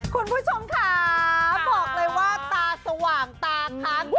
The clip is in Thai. คุณผู้ชมค่ะบอกเลยว่าตาสว่างตาค้าง